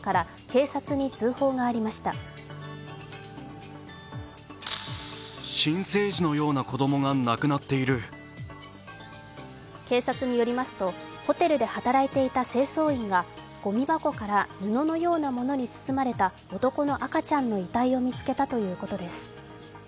警察によりますとホテルで働いていた清掃員がごみ箱から、布のようなものに包まれた男の赤ちゃんの遺体を見つけたということです。